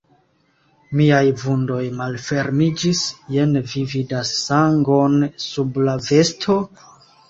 Miaj vundoj malfermiĝis: jen, vi vidas sangon sub la vesto?